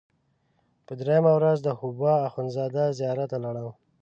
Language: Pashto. په درېیمه ورځ د حبوا اخندزاده زیارت ته لاړم.